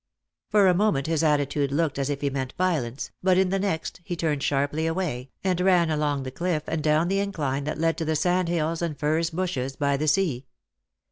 For a moment his attitude looked as if he meant violence, but in the next he turned sharply away, and ran along the cliff and down the incline that led to the sand hills and furze bushes by the sea.